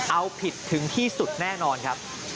เอาผิดถึงที่สุดแน่นอนครับ